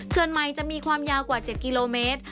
ใหม่จะมีความยาวกว่า๗กิโลเมตร